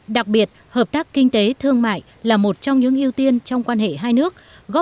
đặc biệt hợp tác kinh tế thương mại là một trong những ưu tiên trong quan hệ hai nước